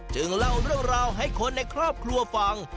เล่าเรื่องราวให้คนในครอบครัวฟัง